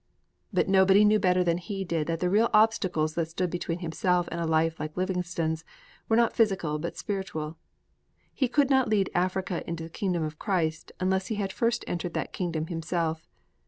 But nobody knew better than he did that the real obstacles that stood between himself and a life like Livingstone's were not physical but spiritual. He could not lead Africa into the kingdom of Christ unless he had first entered that kingdom himself.